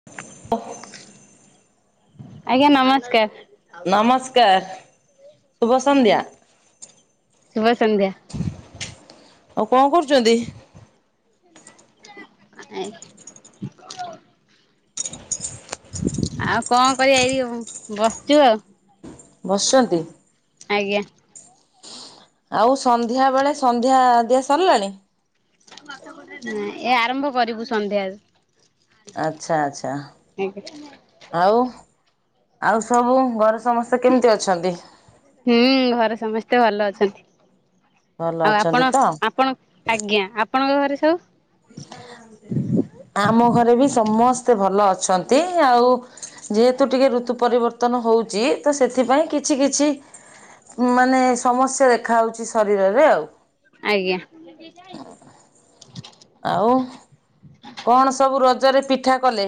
[unintelligible] ଆଜ୍ଞା ନମସ୍କାର। ନମସ୍କାର ଶୁଭ ସ‍ଂନ୍ଧ୍ୟା। ଶୁଭ ସଂନ୍ଧ୍ୟା। ଆଉ କଣ କରୁଛନ୍ତି? ଆ ଏଇ ଆଉ କଣ କରିବା ଏଇ ବସିଛୁ ଆଉ। ବସିଛନ୍ତି? ଆଜ୍ଞା। ଆଉ ସନ୍ଧ୍ୟା ବେଳେ ସନ୍ଧ୍ୟା ଦିଆ ସରିଲାଣି? ଏ ଆରମ୍ଭ କରିବୁ ସଂନ୍ଧ୍ୟା। ଆଚ୍ଛା ଆଚ୍ଛା। ଆଉ ଆଉ ସବୁ ଘରେ ସମସ୍ତେ କେମିତି ଅଛନ୍ତି? ହୁଁ ଘରେ ସମସ୍ତେ ଭଲ ଅଛନ୍ତି ଭଲ ଆଉ ଅଛନ୍ତି ଆପଣ ତ ଆପଣ ଆଜ୍ଞା ଆପଣଙ୍କ ଘରେ ସବୁ? ଆମ ଘରେ ବି ସମସ୍ତେ ଭଲ ଅଛନ୍ତି ଆଉ ଯେହେତୁ ଟିକେ ଋତୁ ପରିବର୍ତ୍ତନ ହଉଛି ତ ସେଥିପାଇଁ କିଛି କିଛି ମାନେ ସମସ୍ୟା ଦେଖାଯାଉଛି ଶରୀରରେ ଆଉ। ଆଜ୍ଞା। ସେଠିକି ଯାଇନୁ? ଆଉ କଣ ସବୁ ରଜରେ ପିଠା କଲେ?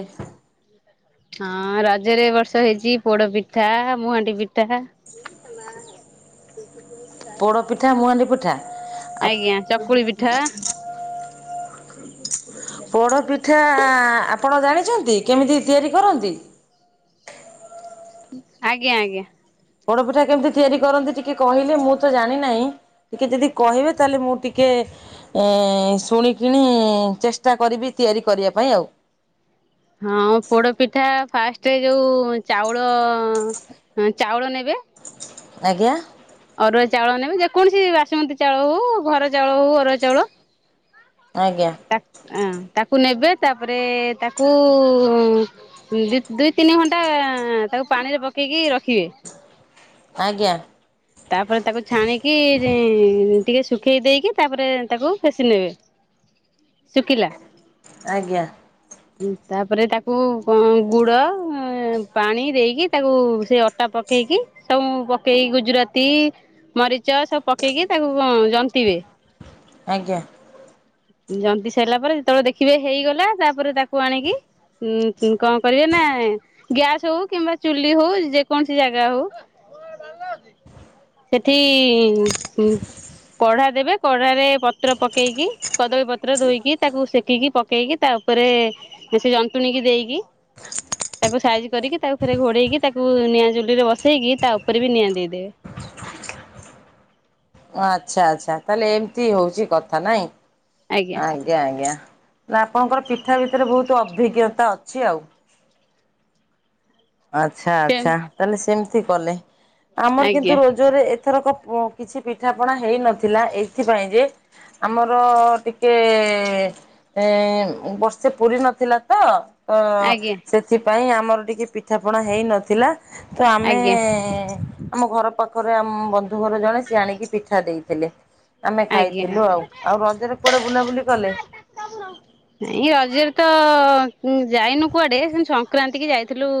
[inaudible] ହଁ ରଜରେ ଏ ବର୍ଷ ହେଇଛି ପୋଡ ପିଠା ମୁହାଣ୍ଡି ପିଠା। [inaudible] ପୋଡ଼ପିଠା ମୁହାଣ୍ଡି ପିଠା ଆପ୍ ଆଜ୍ଞା ଚକୁଳି ପିଠା [inaudible] ପୋଡପିଠା ଆପଣ ଜାଣିଛନ୍ତି କେମିତି ତିଆରି କରନ୍ତି? ଆଜ୍ଞା ଆଜ୍ଞା। ପୋଡପିଠା କେମିତି ତିଆରି କରନ୍ତି ଟିକେ କହିଲେ ମୁଁ ତ ଜାଣିନାହିଁ। ଟିକେ ଯଦି କହିବେ ତାହେଲେ ମୁଁ ଟିକେ ଏ ଶୁଣିକିଣି ଚେଷ୍ଟା କରିବି ତିଆରି କରିବା ପାଇଁ ଆଉ ହଁ ପୋଡ଼ପିଠା ଫାଷ୍ଟରେ ଯୋଉ ଚାଉଳ ଚାଉଳ ନେବେ ଆଜ୍ଞା। ଅରୁଆ ଚାଉଳ ନେବେ ଯେକୌଣସି ବାସୁମତୀ ଚାଉଳ ହଉ ଘର ଚାଉଳ ହଉ ଅରୁଆ ଚାଉଳ ଆଜ୍ଞା। ତାକୁ ନେବେ ତାପରେ ତାକୁ ଦୁଇ ତିନି ଘଣ୍ଟା ତାକୁ ପାଣିରେ ପକେଇକି ରଖିବେ। ଆଜ୍ଞା। ତାପରେ ତାକୁ ଛାଣିକି ଟିକେ ଶୁଖେଇ ଦେଇକି ତାପରେ ତାକୁ ଫେସି ନେବେ ହ [unintelligible] ଶୁଖୀଲା। ଆଜ୍ଞା। ତାପରେ ତାକୁ ଗୁଡ ପାଣି ଦେଇକି ତାକୁ ସେ ଅଟା ପକେଇକି ସବୁ ପକେଇକି ଗୁଜୁରାତି ମରିଚ ସବୁ ପକେଇକି ତାକୁ ଜନ୍ତିବେ। ଆଜ୍ଞା। ଜନ୍ତିି ସାରିଲା ପରେ ଯେତେବେଳେ ଦେଖିବେ ହେଇଗଲା ତାପରେ ତାକୁ ଆଣିକି ହୁଁ କଣ କରିବେ ନା ଗ୍ୟାସ ହଉ କିମ୍ବା ଚୁଲି ହଉ ଯେକୌଣସି ଜାଗା ହଉ ସେଠି ହୁଁ। କଢ଼ା ଦେବେ କଢ଼ାରେ ପତ୍ର ପକେଇକି କଦଳୀ ପତ୍ର ଧୋଇକି ତାକୁ ସେକିକି ପକେଇକି ତା ଉପରେ ସେ ଜନ୍ତୁଣିକି ଦେଇକି ତାକୁ ସାଇଜ କରିକି ତାକୁ ଫେରେ ଘୋଡେଇକି ତାକୁ ନିଆଁ ଜୁଲିରେ ବସେଇକି ତା ଉପରେ ବି ନିଆଁ ଦେଇଦେବେ। ଆଁ ଆଚ୍ଛା ଆଚ୍ଛା ତାହେଲେ ଏମିତି ହଉଛି କଥା ନାଇଁ ଆଜ୍ଞା। ଆଜ୍ଞା ଆଜ୍ଞା ନା ଆପଣଙ୍କର ପିଠା ଭିତରେ ବହୁତ ଅଭିଜ୍ଞତା ଅଛି ଆଉ। ଆଚ୍ଛା ସେ ଆଚ୍ଛା ତାହେଲେ ସେମିତି କଲେ ଆମର ଆଜ୍ଞା କିନ୍ତୁ ରୋ ଜୋରେ ଏଥରକ କିଛି ପିଠାପଣା ହେଇନଥିଲା ଏଇଥିପାଇଁ ଯେ ଆମର ଟିକେ ଏଁ ବର୍ଷେ ପୁରୀ ନଥିଲା ତ ଅ ଆଜ୍ଞା ସେଥିପାଇଁ ଆମର ଟିକେ ପିଠାପଣା ହେଇନଥିଲା। ତ ଆମେ ଆଜ୍ଞା ଆମ ଘର ପାଖରେ ଆମ ବ [unintelligible] ଜଣେ ସି ଆଣିକି ପିଠା ଦେଇଥିଲେ। ଆମେ ଆଜ୍ଞା ଖାଇଥିଲୁ ଆଜ୍ଞା। ଆଉ ଆଉ ରଜରେ କୁଆଡେ ବୁଲାବୁଲି କଲେ? ତା ମୁର ଇଏ ରଜରେ ତ ଯାଇନୁ କୁଆଡେ ସଂକ୍ରାନ୍ତି କି ଯାଇଥିଲୁ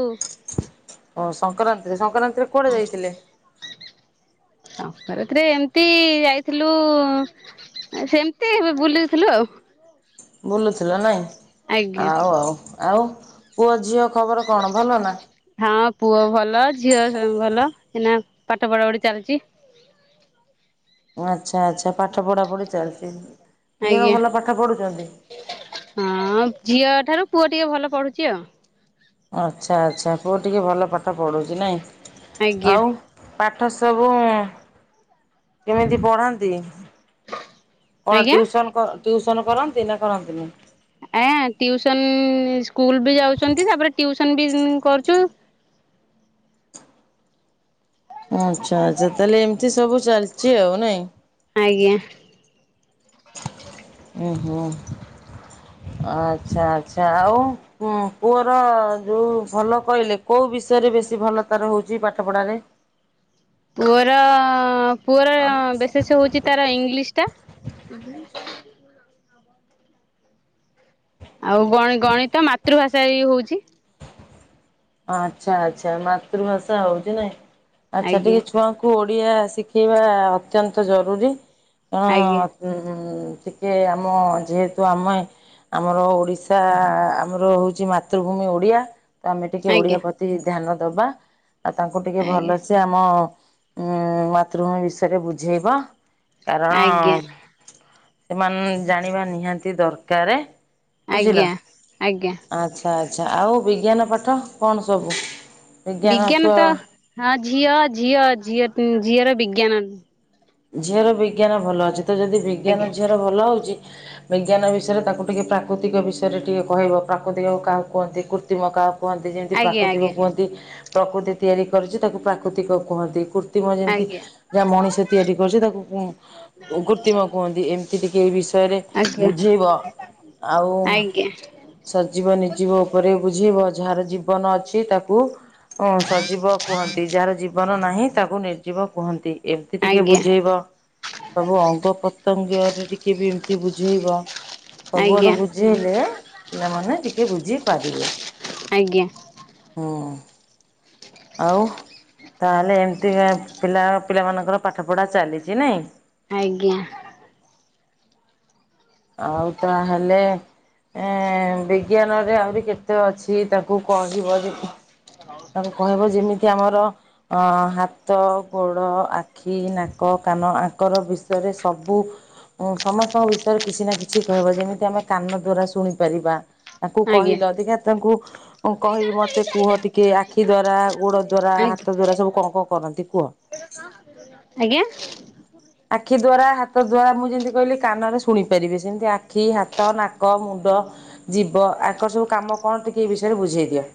ଓ ସଂକ୍ରାନ୍ତିରେ ସଂକ୍ରାନ୍ତିରେ କୁଆଡେ ଯାଇଥିଲେ? ସଂକ୍ରାନ୍ତି ରେ ଏମତି ଯାଇଥିଲୁ ସେମିତି ଏବେ ବୁଲିଥିଲୁ ଆଉ। ବୁଲୁଥିଲ ନାଇଁ, ଆଜ୍ଞା ଆଉ ଆଉ, ଆଉ ପୁଅ ଝିଅ ଖବର କଣ ଭଲ ନା? ହଁ ପୁଅ ଭଲ, ଝିଅ ଭଲ ହେନା ପାଠ ପଢ଼ା ପଢ଼ି ଚାଲିଛି। ଆଚ୍ଛା ଆଚ୍ଛା ପାଠ ପଢା ପଢି ଚାଲିଛି, ଦି ଜଣ ଆଜ୍ଞା ଭଲ ପାଠ ପଢୁଛନ୍ତି? ହଁ ଝିଅ ଠାରୁ ପୁଅ ଟିକେ ଭଲ ପଢୁଛି ଆଉ। ଆଚ୍ଛା ଆଚ୍ଛା ପୁଅ ଟିକିଏ ଭଲ ପାଠ ପଢ଼ୁଛି ନାଇଁ, ଆଜ୍ଞା ଆଉ? ପାଠ ସବୁ କେମିତି ପଢାନ୍ତି? କଣ ଆଜ୍ଞା। ଟିୟୁସନ୍ କର ଟିୟୁସନ୍ କରନ୍ତି ନା କରନ୍ତିନି? ଆ ଟିଉସନ ସ୍କୁଲ ବି ଯାଉଛନ୍ତି ତାପରେ ଟିଉସନ ବି କରୁଛୁ। ଆଚ୍ଛା ଆଚ୍ଛା ତାହେଲେ ଏମିତି ସବୁ ଚାଲିଛି ଆଉ ନାଇଁ। ଆଜ୍ଞା। ଉ ହୁଁ ଆଚ୍ଛା ଆଚ୍ଛା ଆଉ? ହୁଁ ପୁଅର ଯୋଉ ଭଲ କହିଲେ କୋଉ ବିଷୟରେ ବେଶୀ ଭଲ ତାର ହହୁଛି ପାଠ ପଢାରେ? ପୁଅର ପୁଅର, ବିଶେଷ ହଉଛି ତାର ଇଂଲିଶ ଟା। ଆଉ ଗଣ ଗଣିତ ମାତୃଭାଷା ବି ହଉଛି। ଆଚ୍ଛା ଆଚ୍ଛା ମାତୃଭାଷା ହଉଛି ନାଇଁ, ଆଚ୍ଛା ଆଜ୍ଞା ଟିକେ ଛୁଆ କୁ ଓଡ଼ିଆ ଶିଖେଇବା ଅତ୍ୟନ୍ତ ଜରୁରୀ, ଆଜ୍ଞା କେଣ ଟିକେ ଆମ ଯେହେତୁ ଆମେ ଆମର ଓଡ଼ିଶା ଆମର ହଉଛି ମାତୃଭୂମି ଓଡ଼ିଆ ତ ଆମେ ଟେ ଓଡିଆ ଆଜ୍ଞା ପ୍ରତି ଧ୍ୟାନ ଦବା, ଆଉ ତାଙ୍କୁ ଟିକେ ଆଜ୍ଞା ଭଲସେ ଆମ ଉଁ ମାତୃଭୂମି ବିଷୟରେ ବୁଝେଇବ, କାରଣ ଆଜ୍ଞା ସେମାନେ ଜାଣିବା ନିହାତି ଦରକାର। ଆଜ୍ଞା ଆଜ୍ଞା। ଆଚ୍ଛା ଆଚ୍ଛା ଆଉ ବିଜ୍ଞାନ ପାଠ କଣ ସବୁ? ବିଜ୍ଞାନ ତ ହଁ ଝିଅ ଝିଅ ଝିଅ ଝିଅର ବିଜ୍ଞାନ ଝିଅର ବିଜ୍ଞାନ ଭଲ ଅଛି, ତ ଯଦି ବିଜ୍ଞାନ ଆଜ୍ଞା ଝିଅର ଭଲ ହଉଛି ବିଜ୍ଞାନ ବିଷୟରେ ତାକୁ ଟିକେ ପ୍ରାକୃତିକ ବିଷୟରେ ଟିକେ କହିବ, ପ୍ରାକୃତିକ କାହା କୁହନ୍ତି କୃତ୍ରିମ କାହ କୁହନ୍ତି ଯେମିତି ଆଜ୍ଞା ପ୍ରାକୃତିକ ଆଜ୍ଞା କୁହନ୍ତି ପ୍ରକୃତି ତିଆରି କରିଛି ତାକୁ ପ୍ରାକୃତିକ କୁହନ୍ତି। କୃତ୍ରିମ ଯେମିତି ଆଜ୍ଞା ଯାହା ମଣିଷ ତିଆରି କରୁଛି ତାକୁ କୁ କୃତ୍ରିମ କୁହନ୍ତି ଏମିତି ଟିକେ ଏଇ ବିଷୟରେ ଆଜ୍ଞା ବୁଝେଇବ। ଆଉ ଆଜ୍ଞା ଆଜ୍ଞା ସଜୀବ ନିର୍ଜୀବ ଉପରେ ବୁଝେଇବ ଯାହାର ଜୀବନ ଅଛି ତାକୁ କୁ ସଜୀବ କୁହନ୍ତି, ଯାହାର ଜୀବନ ନାହିଁ ତାକୁ ନିର୍ଜୀବ କୁହନ୍ତି। ଏମତି ଟିକେ ଆଜ୍ଞା ବୁଝେଇବ, ସବୁ ଅଙ୍ଗ ପ୍ରତ୍ୟଙ୍ଗରେ ଟିକେ ବି ଏମିତି ବୁଝେଇବ। ଆଜ୍ଞା ସବୁଆଡୁ ବୁଝେଇଲେ ପିଲାମାନେ ଟିକେ ବୁଝି ପାରିବେ। ଆଜ୍ଞା। ହୁଁ। ଆଉ ତାହେଲେ ଏମିତି ପିଲା ପିଲାମାନଙ୍କର ପାଠ ପଢ଼ା ଚାଲିଛି ନାଇଁ? ଆଜ୍ଞା। ଆଉ ତା ହେଲେ ଏ ବିଜ୍ଞାନରେ ଆହୁରି କେତେ ଅଛି ତାଙ୍କୁ କହିବ ଯେ ତାଙ୍କୁ କହିବ ଯେମିତି ଆମର ଅ -ହାତ ଗୋଡ଼ ଆଖି ନାକ କାନ ଆଙ୍କର ବିଷୟରେ ସବୁ ଓଁ ସମସ୍ତଙ୍କ ବିସ କିଛି ନା କିଛି କହିବ ଯେମିତି ଆମେ କାନ ଦ୍ଵାରା ଶୁଣିପାରିବା ତାଙ୍କୁ ଆଜ୍ଞା କହିଲ ଦେଖ ତାଙ୍କୁ କହି ମତେ କୁହ ଟିକେ ଆଖି ଦ୍ଵାରା ଗୋଡ ଦ୍ଵାରା ହାତ ଦଵାରା ସବୁ କଣ କ କରନ୍ତି କୁହ ହଁ ଆଜ୍ଞା ଆଖି ଦ୍ୱାରା ହାତ ଦ୍ୱାରା ମୁଁ ଯେମିତି କହିଲି କାନରେ ଶୁଣି ପାରିବି ସେମିତି ଆଖି ହାତ ନାକ ମୁଣ୍ଡ ଯିବ ଆଙ୍କର ସବୁ କାମ କଣ ଟିକେ ଏଇ ବିଷୟରେ ବୁଝେଇ ଦିଅ।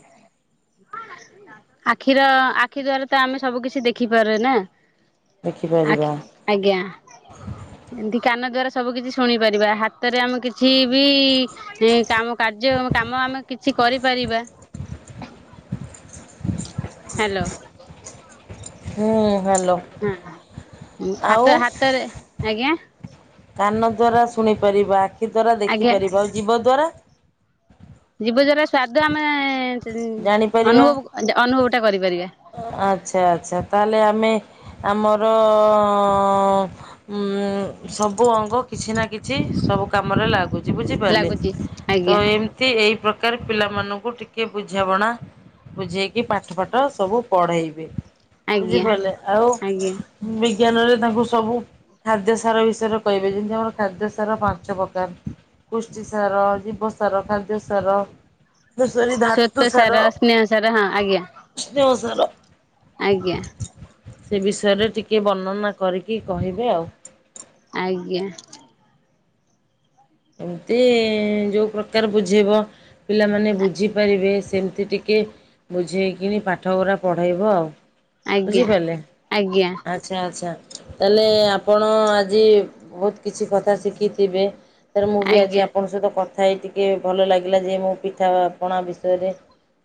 ଆଖିର ଆଖି ଦ୍ଵାରା ତ ଆମେ ସବୁ କିିଛି ଦେଖିପାରେ ନା ଆଖି ଦେଖିପାରିବା ଆଜ୍ଞା ଏମିତି କାନ ଦ୍ଵାରା ସବୁ କିଛି ଶୁଣି ପାରିବା ହାତରେ ଆମ କିଛି ବି ଏଁ କାମ କାର୍ଯ୍ୟ କାମ ଆମେ କିଛି କରିପାରିବା ହ୍ୟାଲୋ ହୁଁ ହ୍ୟାଲୋ ହଁ ହାତ ଆଉ ହାତରେ ଆଜ୍ଞା କାନ ଦ୍ୱାରା ଶୁଣିପାରିବା ଆଖି ଦ୍ୱାରା ଆଜ୍ଞା ଦେଖିପାରିବା ଆଉ ଯିବ ଦ୍ୱାରା ଜୀବ ଜରା ସ୍ୱାଦ ଆମେ ଜାଣିପାରିବା ଅନୁଭବ ଅନୁଭବ ଟା କରିପାରିବା ଆଚ୍ଛା ଆଚ୍ଛା ତାହେଲେ ଆମେ ଆମର ଅ ଉଁ ସବୁ ଅଙ୍ଗ କିଛି ନା କିଛି ସବୁ କାମରେ ଲାଗୁଛି। ବୁଝିପାରିଲେ ଲାଗୁଛି ତ ଆଜ୍ଞା ଏମ୍ ତି ଏଇ ପ୍ରକାର ପିଲାମାନଙ୍କୁ ଟିକେ ବୁଝାବଣା ବୁଝେଇକି ପାଠପାଠ ସବୁ ପଢେଇବେ ଆଜ୍ଞା ବୁଝିପାରିଲେ ଆଉ ଆଜ୍ଞା ବିଜ୍ଞାନରେ ତାଙ୍କୁ ସବୁ ଖାଦ୍ୟ ସାର ବିଷୟରେ କହିବେ ଯେମିତି ଆମର ଖାଦ୍ୟ ସାର ପାଞ୍ଚ ପ୍ରକାର ପୁଷ୍ଟି ସାର ଜୀବ ସାର ଖାଦ୍ୟ ସାର ଦଷ ଧାତୁ ସାର ତାର ହଁ ଆଜ୍ଞା [unintelligible] ହଜର ଆଜ୍ଞା ସେ ବିଷୟରେ ଟିକେ ବର୍ଣ୍ଣନା କରିକି କହିବେ ଆଉ ଆଜ୍ଞା ଏମିତି ଯୋଉ ପ୍ରକାର ବୁଝେଇବ ପିଲାମାନେ ବୁଝିପାରିବେ ସେମିତି ଟିକେ ବୁଝେଇକିଣି ପାଠ ଗରା ପଢେଇବ ଆଉ ଆଜ୍ଞା ବୁଝିପାରିଲେ ଆଜ୍ଞା ଆଜ୍ଞା ଆ ଆଚ୍ଛା ଆଚ୍ଛା ତାହେଲେ ଆପଣ ଆଜି ବହୁତ କିଛି କଥା ଶିଖିଥିବେ ତାର ମୁଁ ବି ଆଜି ଆଜ୍ଞା ଆପଣଙ୍କ ସହିତ କଥା ହେଇ ଟିକେ ଭଲ ଲାଗିଲା ଯେ ମୁଁ ପିଠାପଣା ବିଷୟରେ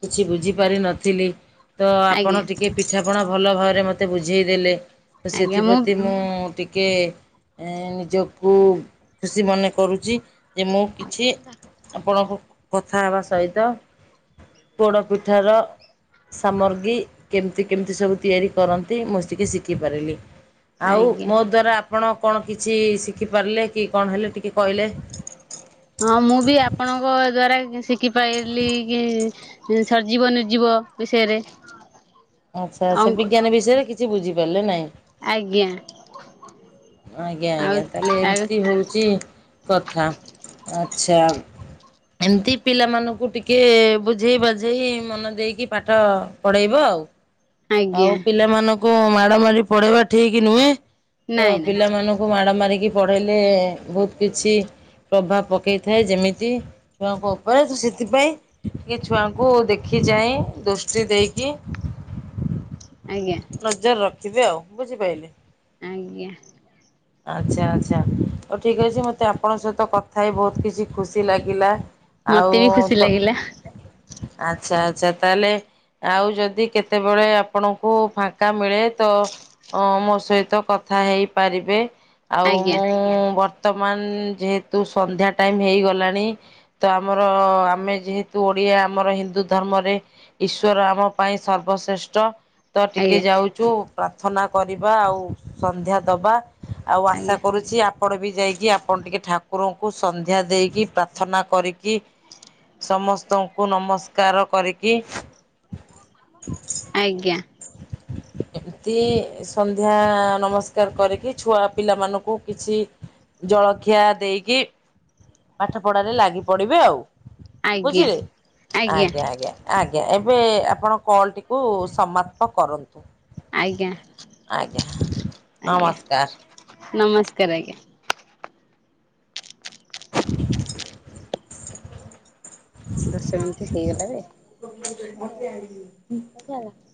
କିଛି ବୁଝିପାରି ନଥିଲି। ତ ଆପଣ ଆଜ୍ଞା ଟିକଏ ପିଠାପଣା ଭଲ ଭାବରେ ମୋତେ ବୁଝେଇ ଦେଲେ। ତ ସେଥିପ୍ରତି ମୁଁ ଟିକେ ଏ ନିଜକୁ ଖୁସି ମନେ କରୁଛି ଯେ ମୁଁ କିଛି ଆପଣଙ୍କ କଥା ହେବା ସହିତ ପୋଡ ପିଠା ର ସାମଗ୍ରୀ କେମିତି କେମିତି ସବୁ ତିଆରି କରନ୍ତି ମୁଁ ଟିକିଏ ଶିଖିପାରିଲି ଆଉ ଆଜ୍ଞା ମୋ ଦ୍ଵାରା ଆପଣ କଣ କିଛି ଶିଖିପାରିଲେ କି କଣ ହେଲେ ଟିକେ କହିଲେ ହଁ ମୁଁ ବି ଆପଣଙ୍କ ଦ୍ଵାରା ଶିଖିପାରିଲି କି ଉ ସରିଯିବ ନିର୍ଜିବ ବିଷୟରେ ଆଚ୍ଛା ସୋ ଅଙ୍କ ବିଜ୍ଞାନ ବିଷୟରେ କିଛି ବୁଝିପାରିଲେ ନାଇଁ। ଆଜ୍ଞା ଆଜ୍ଞା ଆଉ ଆଜ୍ଞା ତାହେଲେ ଆଉ ଏମିତି ହଉଛି କଥା। ଆଚ୍ଛା ଏମତି ପିଲାମାନଙ୍କୁ ଟିକେ ବୁଝେଇ ବାଝେଇ ମନ ଦେଇକି ପାଠ ପଢ଼ାଇବ ଆଉ। ଆଉ ଆଜ୍ଞା ପିଲାମାନଙ୍କୁ ମାଡ ମାଡି ପଢେଇବା ଠିକ ନୁହେଁ। ତ ନାଇଁ ନାଇଁ ପିଲାମାନଙ୍କୁ ତାଙ୍କୁ ମାଡ଼ ମାରିକି ପଢ଼େଇଲେ ବହୁତ କିଛି ପ୍ରଭାବ ପକାଇଥାଏ। ଯେମିତି ଛୁଆଙ୍କ ଉପରେ ତୁ ସେଥିପାଇଁ କି ଛୁଆଙ୍କୁ ଦେଖି ଯାଏଁ ଦୋଷ୍ଟି ଦେଇକି ଆଜ୍ଞା ନଜର ରଖିବେ ଆଉ ବୁଝିପାରିଲେ? ଆଜ୍ଞା ଆଚ୍ଛା ଆଚ୍ଛା ହଉ ଠିକ ଅଛି ମତେ ଆପଣଙ୍କ ସହିତ କଥା ହେଇ ବହୁତ କିଛି ଖୁସି ଲାଗିଲା। ଆଉ ମତେ ବି ଖୁସି ତ ଲାଗିଲା ଆଚ୍ଛା ଆଛା ତାହେଲେ ଆଉ ଯଦି କେତେବେଳେ ଆପଣଙ୍କୁ ଫାଙ୍କା ମିଳେ ତ ଅ ମୋ ସହିତ କଥା ହେଇପାରିବେ ଆଉ ଆଜ୍ଞା। ମୁଁ ବର୍ତ୍ତମାନ ଯେହେତୁ ସନ୍ଧ୍ୟା ଟାଇମ ହେଇଗଲାଣି ତ ଆମର ଆମେ ଯେହେତୁ ଓଡିଆ ଆମର ହିନ୍ଦୁ ଧର୍ମରେ ଈଶ୍ୱର ଆମ ପାଇଁ ସର୍ବଶ୍ରେଷ୍ଠ। ତ ଟିକେ ଆଜ୍ଞା ଯାଉଛୁ ପ୍ରାର୍ଥନା କରିବା ଆଉ ସନ୍ଧ୍ୟା ଦବା। ଆଉ ଆଶା ଆଜ୍ଞା କରୁଚି ଆ ପାଡ ବି ଯାଇକି ଆପଣ ଟିକେ ଠାକୁରଙ୍କୁ ସନ୍ଧ୍ୟା ଦେଇକି ପ୍ରାର୍ଥନା କରିକି ସମସ୍ତଙ୍କୁ ନମସ୍କାର କରିକି ଆଜ୍ଞା [unintelligible] ସନ୍ଧ୍ୟା ନମସ୍କାର କରିକି ଛୁଆ ପିଲାମାନଙ୍କୁ କିଛି ଜଳଖିଆ ଦେଇକି ପାଠ ପଢାରେ ଲାଗି ପଡିବେ ଆଉ। ଆଜ୍ଞା ବୁଝିଲି ଆଜ୍ଞା ଆଜ୍ଞା। ଆଜ୍ଞା ଏବେ ଆପଣ କଲ ଟିକୁ ସମାପ୍ତ କରନ୍ତୁ। ଆଜ୍ଞା ଆଜ୍ଞା ନମସ୍କାର। ନମସ୍କାରା ଆଜ୍ଞା ଦଶ [unintelligible] ମିନିଟ୍ ହେଇଗଲା ବେ। ଆ [unintelligible]